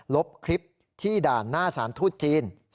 ลบคลิปที่ด่านหน้าสารทูตจีน